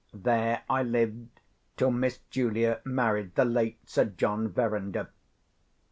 There I lived till Miss Julia married the late Sir John Verinder.